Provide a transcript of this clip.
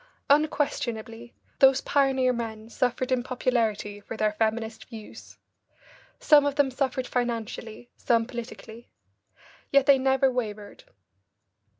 Unquestionably those pioneer men suffered in popularity for their feminist views. Some of them suffered financially, some politically. Yet they never wavered.